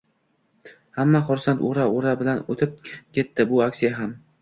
Hamma xursand, ura-ura bilan o‘tib ketdi bu aksiya ham.